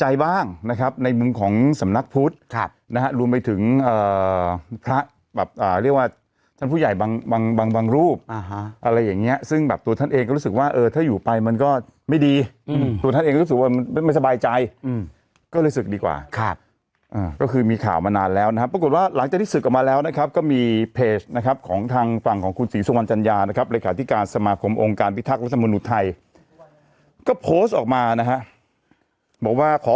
อยู่ไปมันก็ไม่ดีอืมส่วนท่านเองรู้สึกว่ามันไม่สบายใจอืมก็เลยศึกดีกว่าครับอืมก็คือมีข่าวมานานแล้วนะครับปรากฏว่าหลังจากที่ศึกออกมาแล้วนะครับก็มีเพจนะครับของทางฝั่งของคุณศรีสวรรค์จัญญานะครับรายการที่การสมาคมองค์การพิทักษ์ลักษณะมนุษย์ไทยก็โพสต์ออกมานะฮะบอก